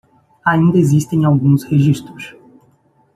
Ainda existem alguns registros